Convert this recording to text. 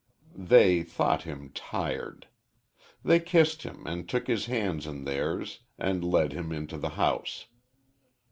They thought him "tired." They kissed him and took his hands in theirs, and led him into the house.